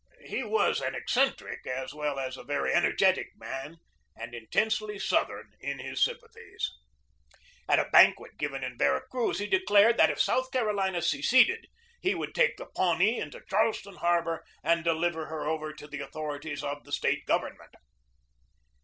He was an eccentric as well as a very energetic man, and intensely Southern in his sympathies. At a banquet given in Vera Cruz he declared that if South Carolina seceded he would take the Pawnee into Charleston harbor and deliver her over to the THE MIDSHIPMAN CRUISE 35 authorities of the State government.